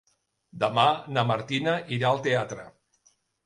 Demà na Martina irà al teatre.